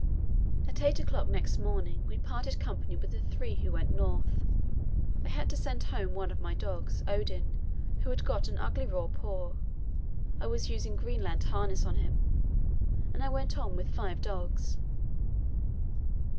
At eight o'clock next morning we parted company with the three who went north. I had to send home one of my dogs, Odin, who had got an ugly raw place I was using Greenland harness on him and I went on with five dogs.